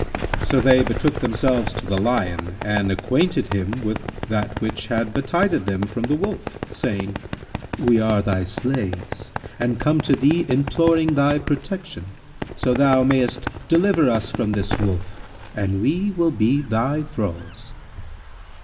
So they betook themselves to the Lion and acquainted him with that which had betided them from the Wolf, saying, "We are thy slaves and come to thee imploring thy protection, so thou mayst deliver us from this Wolf, and we will be thy thralls."